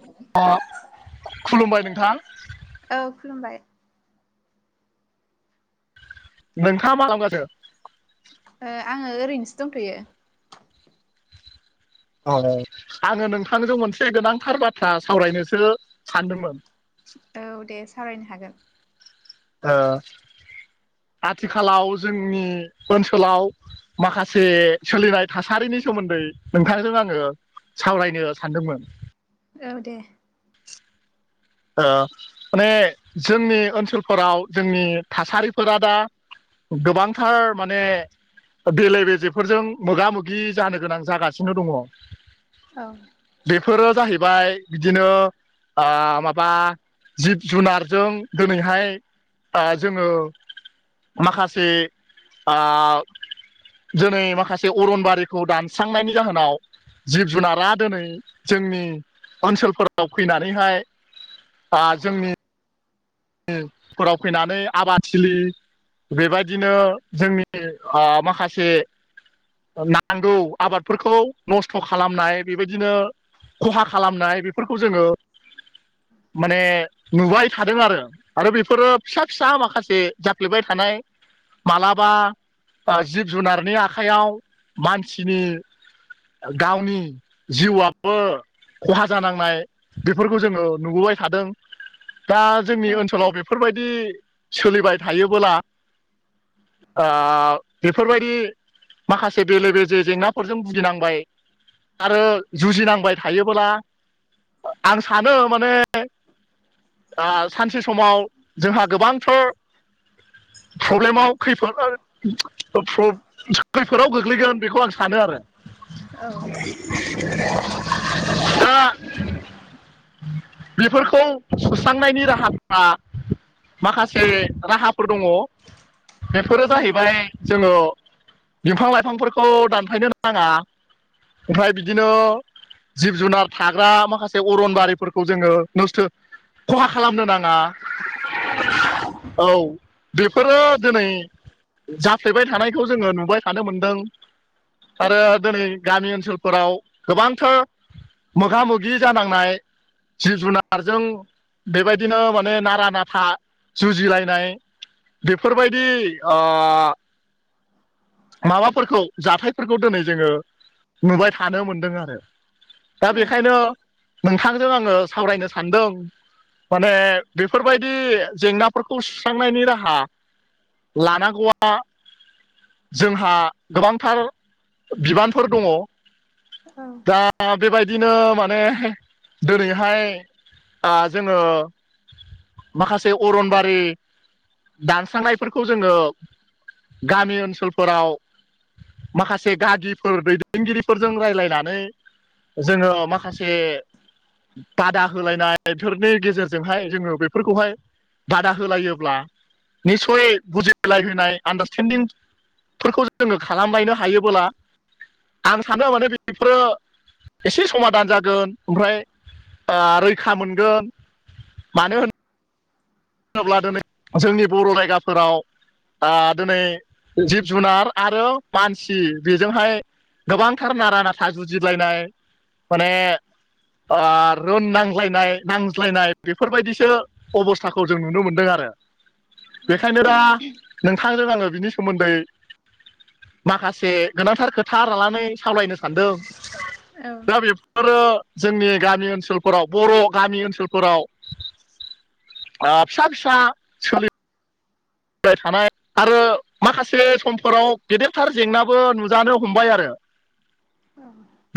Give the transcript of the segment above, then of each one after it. औ। अ खुलुमबाय नोंथां। औ खुलुमबाय। नोंथाङा मा [unintelligible] ओ आङो ओरैनोसो दंथ'यो। [unintelligible] आङो नोंथांजों मोनसे गोनांथार बाथ्रा सावरायनोसो सानदोंमोन। औ दे सावरायनो हागोन। ओ आथिखालाव जोंनि ओनसोलाव माखासे सोलिनाय थासारिनि सोमोन्दै नोंथांजों आङो सावरायनो सानदोंमोन‌। औ दे। ओ माने जोंनि ओनसोलफोराव जोंनि थासारिफोरा दा गोबांथार माने देले बेजेफोरजों मोगा मोगि जानो गोनां जागासिनो दङ। औ। बेफोरो जाहैबाय बिदिनो ओ बा जिब जुनारजों दोनैहाय ओ जोङो माखासे ओ दोनै माखासे अरनबारिखौ दानस्रांनायनि जाहोनाव जिब जुनारा दोनै जोंनि ओनसोलफोराव फैनानैहाय आ जोंनि नि फोराव फैनानै आबादथिलि बेबादिनो जोंनि ओ माखासे ओ नांगौ आबादफोरखौ नस्थ' खालामनाय बेबायदिनो ख'हा खालामनाय बेफोरखौ जोङो माने नुबाय थादों आरो। आरो बेफोरो फिसा फिसा माखासे जाफ्लेबाय थानाय मालाबा ओ जिब जुनारनि आखाइयाव मानसिनि गावनि जिउआबो ख'हा जानांनाय बेफोरखौ जोङो नुबोबाय थादों दा औ जोंनि ओन लाव बेफोरबायदि सोलिबाय थायोबोला ओ बेफोरबायदि माखासे बेले बेजे जेंनाफोरजों भुगिनांबाय। आरो जुजिनांबाय थायोबोला। आं सानो माने। ओ सानसे समाव जोंहा गोबांथार प्रब्लेमाव खैफोद [unintelligible] खैफोराव गोग्लैगोन बेखौ आं सानो आरो। औ। [unintelligible] बेफोरखौ सुस्रांनायनि राहा माखासे राहाफोर दङ बेफोरो औ जाहैबाय। जोङो बिफां लाइफांफोरखौ दानफायनो नाङा। ओमफ्राय बिदिनो जिब जुनार थाग्रा माखासे अरनबारिफोरखौ जोङो नस्थो खहा खालामनो नाङा। औ [unintelligible] औ बेफोरो दिनै जाफ्लेबाय थानायखौ जोङो नुबाय थानो मोनदों। आरो दोनै गामि ओनसोलफोराव गोबांथार मोगा मोगि जानांनाय जिब जुनारजों बेबाय बिदिनो माने नारा नाथा जुजिलायनाय बेफोरबायदि ओ माबाफोरखौ जाथायफोरखौ दिनै जोङो नुबाय थानो मोनदों आरो। दा बेखायनो नोंथांजों आङो सावरायनो सानदों माने बेफोरबायदि जेंनाफोरखौ सुस्रांनायनि राहा लानांगौआ जोंहा गोबांथार बिबानफोर दङ दा दा बेबायदिनो माने दिनैहाय ओ जोङो माखासे अरनबारि दानस्रांनायफोरखौ जोङो गामि ओनसोलफोराव माखासे गागिफोर दैदेनगिरिफोरजों रायज्लायनानै जोङो माखासे बादा होलायनाय बेफोरनि गेजेर जोंहाय जोङो बेफोरखौहाय बादा होलायोब्ला निस्सय बुजिलायहोनाय आडारस्टेडिं फोरखौ जोङो खालामलायनो हायोबोला आं सानो माने बेफोरो एसे समादान जागोन ओमफ्राय ओ रैखा मोनगोन मानो होनोब्ला दिनै जोंनि बर' जायगाफोराव दिनै जिब जुनार आरो मानसि बेजोंहाय गोबांथार नारा नाथा जुजिलायनाय माने ओ रुन नांज्लायनाय नांज्लायनाय बेफोरबायदिसो अबस थाखौ जों नुनो मोनदों आरो बेखायनो दा नोंथांजों आङो बिनि सोमोन्दै माखासे गोनांथार खोथा लानानै सावलायनो सानदों दा बेफोरो जोंनि गामि ओनसोलफोराव बर' गामि ओनसोलफोराव ओ फिसा फिसा सोलिबाय थानाय आरो माखासे समफोराव गेदेरथार जेंनाबो नुजानो हमबाय आरो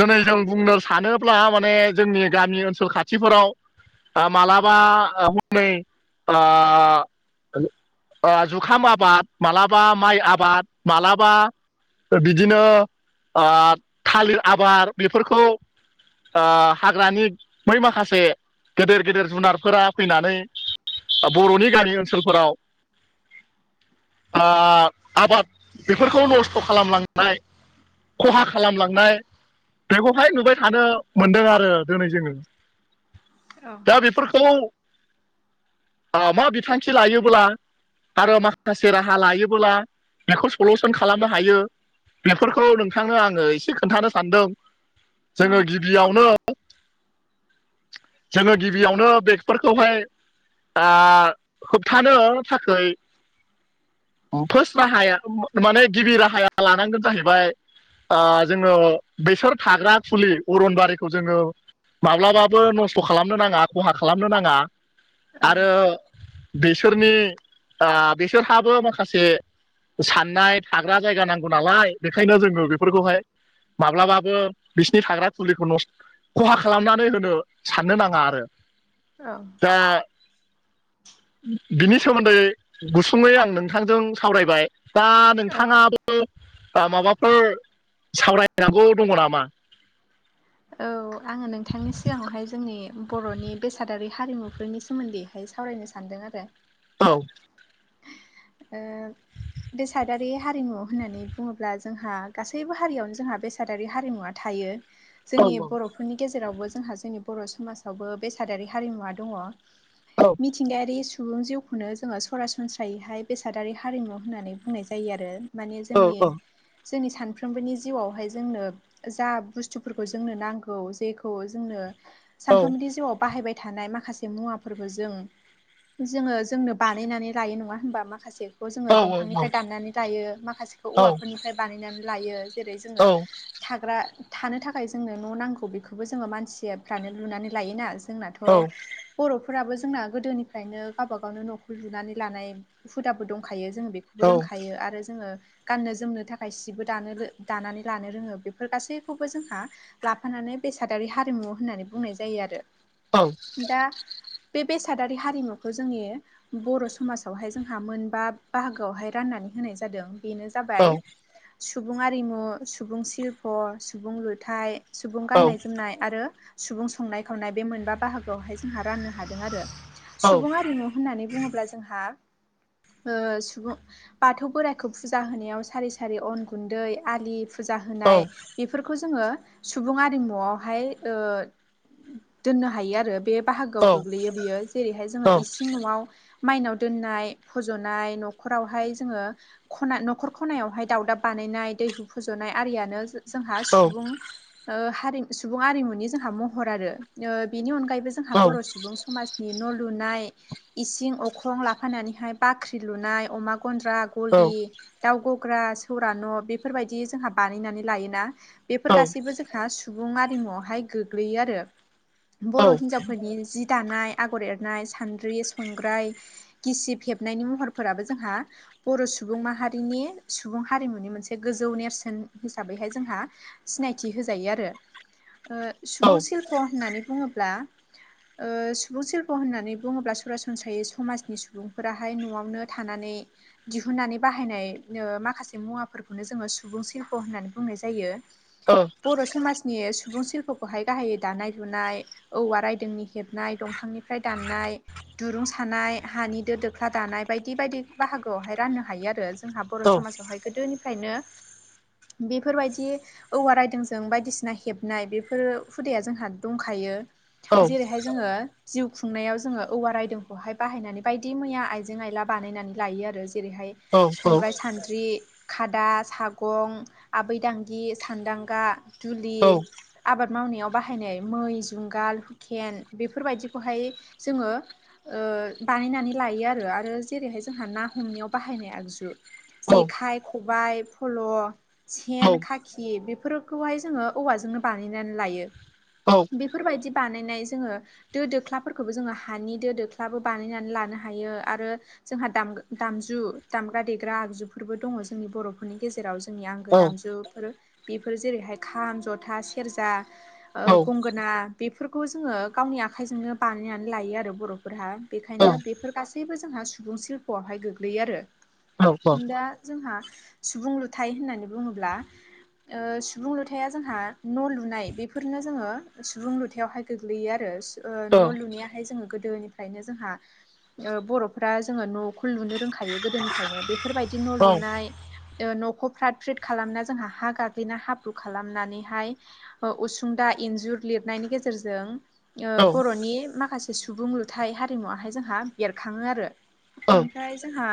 दोंनै जों बुंनो सानोब्ला माने जोंनि गामि ओनसोल खाथिफोराव मालाबा ह [unintelligible] नै आ ओ जुखाम आबाद मालाबा माइ आबाद मालाबा बिदिनो आ थालिर आबाद बेफोरखौ आ हाग्रानि बै माखासे गेदेर गेदेर जुनारफोरा फैनानै बर'नि गामि ओनसोलफोराव आ आबाद बेफोरखौ नस्थ' खालामलांनाय खहा खालामलांनाय बेखौहाय नुबाय थानो मोनदों आरो दिनै जोङो औ दा बेफोरखौ ओ मा बिथांखि लायोब्ला आरो माखासे राहा लायोबोला बेखौ सलुसन खालामनो हायो बेफोरखौ नोंथांनो आङो एसे खोनथानो सानदों जोङो गिबियावनो जोङो गिबियावनो बेगफोरखौहाय आ होबथानो थाखोय। फार्स्ट राहाया माने गिबि राहाया लानांगोन जाहैबाय। ओ जोङो बेसोर थाग्रा फुलि अरनबारिखौ जोङो। माब्लाबाबो नस्थ' खालामनो नाङा खहा खालामनो नाङा औ आरो। बिसोरनि आ बिसोरहाबो माखासे। साननाय थाग्रा जायगा नांगौ नालाय बेखायनो जोङो बेफोरखौहाय। माब्लाबाबो बिसिनि फाग्रा फुलिखौ नस खहा खालामनानै होनो। साननो नाङा आरो। ओ। दा। बिनि सोमोन्दै गुसुङै आं नोंथांजों सावरायबाय दाब। औ नोंथाङाबो माबाफोर सावरायनांगौ दङ' नामा? औ [inaudible] आङो नोंथांनि सिगाङावहाय जोंनि बर'नि बेसादारि हारिमुफोरनि सोमोन्दै। दायो सावरायनो सानदों आरो। औ। ओ। बेसादारि हारिमु होननानै बुङोब्ला जोंहा गासैबो हारियावनो जोंहा बेसाद। दारि हारिमुवा थायो। औ जोंनि बर'फोरनि गेजेरावबो जोंहा जोंनि बर' समाजावबो बेसादारि हारिमुवा दङ'। औ मिथिंगायारि सु सुबुं जिउखौनो जोङो सरासनस्रायैहाय बेसादारि हारिमु होननानै बुंनाय जायो आरो। माने जोंन-जोंनि सानफ्रोमबोनि जिउआवहाय जोंनो जा बुस्थु। फोरखौ जोंनो नांगौ जेखौ जोंनो औ सानफ्रोमबोनि जिउआव बाहाय थानाय माखासे मुवाफोरबो जों। जोङो जोंनो बानायनानै लायो नङा होनबा माखासे। जोङो औ दंफांनिफ्राय दान्नानै लायो माखासेखौ औ औवाफोरनिफ्राय बानायनानै लायो जेरै जोङो औ थाग्रा थानो थाखाय जोंनो न' नांगौ जोङो मानसियाबो थानो लुनानै लायोना। जोंनाथ'। बर'फोराबो जोंना गोदोनिफ्रायनो गावबा गावनो न'खौ लुनानै लानाय हुदाबो दंखायो जोंङो बेखौ। बो औ रोंखायो आरो जोङो। गाननो जोमनो थाखाय सिबो दानो रों दानानै लानो रोङो बेफोर गासैखौबो जोंहा। लाफानानै बेसादारि हारिमु होननानै बुंनाय जायो आरो। औ। दा बे बेसादारि हारिमुखौ जोंनि। बर' समाजावहाय जोंहा मोनबा बाहागोआवहाय राननानै होनाय जादों बेनो। औ जाबाय सुबुं आरिमु सुबुं सिल्प सुबुं लुथाइ। सुबुं गाननाय जोमनाय आरो सुबुं संनाय खावनाय बे मोनबा बाहागोआवहाय जोंहा राननो हादों आरो। सुबुं औ आरिमु होननानै बुङोब्ला जोंहा। ओ सुबुं बाथौ बोराइखौ फुजा होनायाव सारि सारि अन गुन्दै आलि। फुजा होनाय बेफोरखौ जोंङो। सुबुं आरिमुआवहाय ओ दोननो हायो आरो बे। बाहागोआव गोग्लैयो बियो जेरैहाय जोङो इसिं न'आव। माइनाव दोननाय फज'नाय न'खरावहाय जोङो। खना न'खर खनायावहाय दावदाब बानायनाय दैहु फुज'नाय आरियानो जों। जोंहा सुबुं ओ हारिमुनि सुबुंआरिमुनि जोंहा महर आरो ओ बेनि अनगायैबो जों। जोंहा बर' सुबुं समाज। न' लुनाय इसिं अखं लाफानानैहाय बाख्रि लुनाय अमा गन्द्रा। गलि दाउ गग्रा सौरा न' बेफोरबायदि जोंहा बानायनानै लायोना बेफोर गासिबो बो जोंहा सुबुं आरिमुआवहाय गोग्लैयो आरो बर' हिनजावफोरनि जि दानाय आगर एरनाय सान्द्रि संग्राय गिसि हेबनायनि महरफोराबो जोंहा बर' सुबुं माहारिनि सुबुं हारिमुनि मोनसे गोजौ नेरसोन हिसाबैहाय जोंहा सिनायथि होजायो आरो ओ सुबुं सिल्प' होननानै बुङोब्ला ओ सुबुं सिल्प' होननानै बुङोब्ला सरासनस्रायै समाजनि सुबुंफोराहाय न'आवनो थानानै दिहुनन्नानै बाहायनाय ओ माखासे मुवाफोरखौनो जोङो सुबुं सिल्प' होननानै बुंनाय जायो। बर' समाज नि सुबुं सिल्प'खौहाय गाहायै दानाय लुनाय औवा रायदोंनि हेबनाय दंफांनि फ्राय दाननाय दिरुं सानाय हानि दो दोख्ला दानाय बायदि बायदि बाहागोआवहाय राननो हायो आरो। जोंहख बर' समावहाय गोदोनिफ्रायनो बेफोरबायदि औवा रायदोंजों जों बायदिसिना हेबनाय बेफोर हुदाया जोंहा दंखायो जेरैहाय जों जोङो जिउ खुंनायाव जोङो औवा रायदोंखौहाय बाहायनानै बायदि मैया आइजें आइला बानायनानै लायो आरो जेरैहाय संग्राय सानद्रि खादा सागं आबैदांगि सान्दांगा दुलि आबाद मावनायाव बाहायनाय मै जुंगाल हुकेन बेफोरबायदिखौहाय जोङो ओ बानायनानै आरो जेरैहाय जोंहा ना हमनायाव बाहायनाय आगजु जेखाइ खबायाइ फल' सेन खाखि बेफोर खौहाय जोङो औवाजोंनो बानायनानै लायो। औ बेफोरबायदि बानायनाय जोङो दो दोख्लाफोरखौबो जोङो हानि दो दोख्लाबो बानायनानै लानो हायो आरो जोंहा दाम दामजु दामग्रा देग्रा आगजुफोरबो दङ जोंनि बर' फोरनि गेजेराव जोंनि आंगो दामजुफोर बेफोर जेरैहाय खाम जथा सेरजा ओ गंगो ना बेफोरखौ जोङो गावनि आखाइजोंनो बानायनानै लायो आरो बर'फोरहा बेखायनो बेफोर गासै बो जोंहा सुबुं शिल्प'आवहाय गोग्लैयो आरो। दा जोंहा सुबुं लुथाय होननानै बुङोब्ला ओ सुबुं लुथाया जोंहा न' लुनाय बेफोरनो जोङो सुबुं लुथायावहाय गोग्लैयो आरो। ओ न' लुनायाहाय जोङो गोदोनि फ्रायनो जोंहा ओ बर'फोरा जोङो न'खौ लुनो रोंखायो गोदोनिफ्रायनो बे बेफोरबायदि न' लुनाय ओ न'खौ फ्राद फ्रिद खालामना जोंहा हा गाग ग्लिना हाब्रु खालामनानैहाय अ उसुंदा इन्जुर लिरनायनि गेजेरजों ओ बर'नि माखासे सुबुं लुथाय हारिमुआहाय जोंहा बेरखाङो आरो। ओमफ्राय जोंहा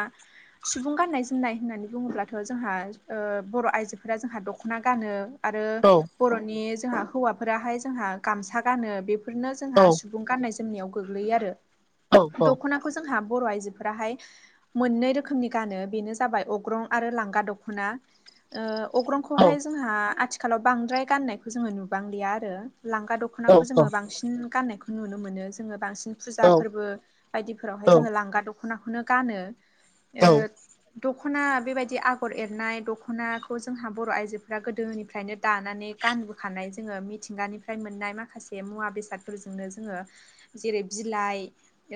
सुबुं गाननाय जोमनाय होननानै बुङोब्लाथ' जोंहा ओ बर' आइजोफोरा जोंहा द खना गानो आरो बर'नि जोंहा हौवाफोराहाय जोंहा गामसा गानो बे फोरनो जोंहा सुबुं गाननाय जोमनायाव गोग्लैयो आरो औ दखना खौ जोंहा बर' आइजोफोराहाय मोननै रोखोमनि गानो बेनो जाबाय अग्रं आरो लांगा दखना ओ अग्रं औ खौहाय जोंहा आथिखालाव बांद्राय गाननायखौ जोङो नुबांलिया आरो लांगा द औ खनाखौ औ जोङो बांसिन गाननायखौ नुनो मोनो जोङो बांसिन फुजा फोरबो बायदिफोरावहाय जोङो लांगा दख'नाखौनो गानो ओ दख'ना बेबायदि आगर एरनाय दख'ना खौ जोंहा बर' आइ जोफ्रा गोदोनिफ्रायनो दानानै गानबोखानाय जोङो मिथिंगानिफ्राय मोननाय माखासे मुवा बेसाद फोरजोंनो जोङो जेरै बिलाइ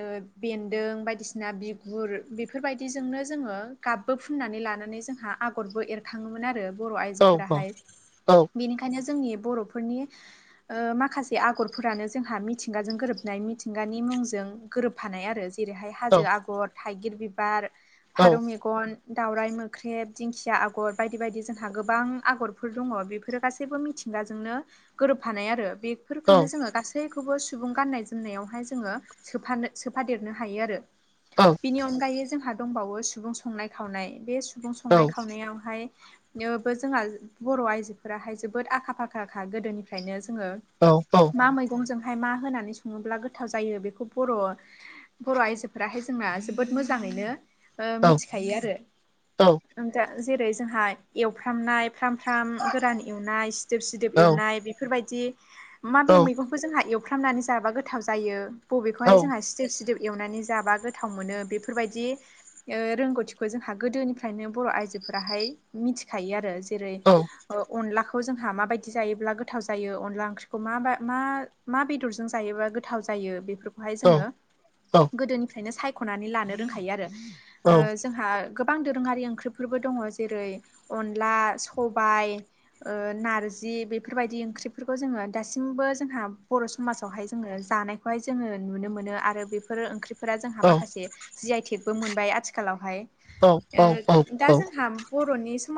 ओ बेन्दों बायदिसिना बिगुर बेफोरबायदि जोंनो जोङो गाबबो फुननानै लानानै जोंहा आगरबो एरखाङोमोन आरो बर' आइ फोराहाय बेनिखायनो जोंनि बर'फोरनि ओ माखासे आगरफोरानो जोंहा मिथिंगाजों गोरोबनाय मिथिंगानि मुंजों गोरोबफानाय आरो जेरैहाय हाजो आगर थाइगिर बिबार फारौ मेगन दावराइ मोख्रेब दिंखिया आगर बायदि बायदि जोंहा गोबां आगरफोर दङ बेफोरो गासैबो मिथिंगाजोंनो गोरोबफानाय आरो बेफोरखौनो जोङो गासै गासैखौबो सुबुं गाननाय जोमनायावहाय जोङो सोफानो सोफादेरनो हायो आरो। बेनि अनगायै जोंहा दंबावो सुबुं संनाय खावनाय बे सु बुं संनाय खावनायावहायनोबो जोंहा बर' आइजोफोराहाय जोबोद आखा फाखा खा गोदोनिफ्रायनो जोङो औ औ। मा मैगंजोंहाय मा होनानै सङोब्ला गोथाव जायो बेखौ बर' बर' आइजोफोराहाय जोंना जोबोद मोजाङैनो ओ मिथिखायो आरो ओं दा जेरै जोंहा एवफ्रामनाय फ्राम फ्राम गोरान एवनाय सिदोब सिदोब एवनाय बेफोरबायदि माबे मैगंखौ जोंहा एवफ्रामनानै जाबा गोथाव जायो बबेखौहाय जोंहा सिदोब सिदोब एवनानै जाबा गो थाव मोनो बेफोरबायदि ओ रोंगौथिखौ जोंहा गोदोनिफ्रायनो बर' आइजोफोराहाय मिथिखायो आरो जेरै ओ अनलाखौ जोंहा माबायदि जायोब्ला गोथाव जायो अनला ओंख्रिखौ मा बा मा मा बेदरजों जायोबा गोथाव जायो बेफोरखौहाय जोङो गोदोनिफ्रायनो सायखनानै लानो रोंखायो आरो। ओ जोंहा गोबां दोरोङारि ओंख्रिफोरबो दङ जेरै अनला सबाइ ओ नारजि बेफोरबायदि ओंख्रिफोरखौ जोङो दासिमबो जोंहा बर' समाजावहाय जोङो जानाय खौहाय जोङो नुनो मोनो आरो बेफोरो ओंख्रि- फोरा जोंहा माखासे जि आइटेकबो मोनबाय आथिखालावहाय ओ औ औ दा जोंहा- बर'नि समा